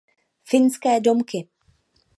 Finské domky.